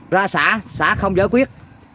ra xã xã không giới quyết